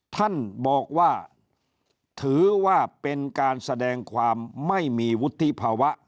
ท่านบอกว่าถือว่าเป็นการแสดงความไม่มีวุฒิภาวะ